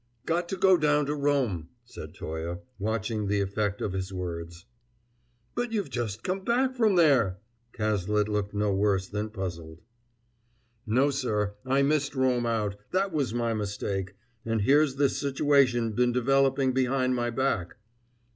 "Got to go down to Rome," said Toye, watching the effect of his words. "But you've just come back from there!" Cazalet looked no worse than puzzled. "No, sir, I missed Rome out; that was my mistake, and here's this situation been developing behind my back."